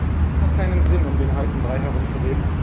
Es hat keinen Sinn, um den heißen Brei herumzureden.